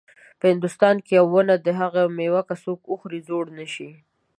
په هندوستان کې یوه ونه ده که میوه یې څوک وخوري زوړ نه شي.